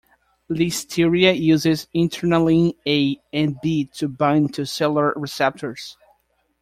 "Listeria" uses internalin A and B to bind to cellular receptors.